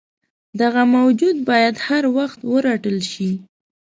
دغه موجود باید هروخت ورټل شي.